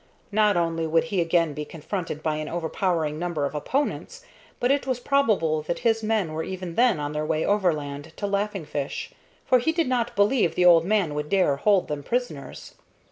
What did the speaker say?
Not only would he again be confronted by an overpowering number of opponents, but it was probable that his men were even then on their way overland to Laughing Fish, for he did not believe the old man would dare hold them prisoners.